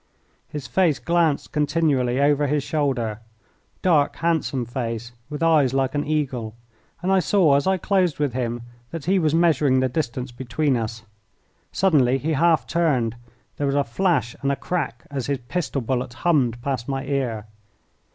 His face glanced continually over his shoulder dark, handsome face, with eyes like an eagle and I saw as I closed with him that he was measuring the distance between us. Suddenly he half turned; there were a flash and a crack as his pistol bullet hummed past my ear.